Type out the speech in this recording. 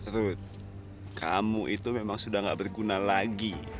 rudy kamu itu memang sudah gak berguna lagi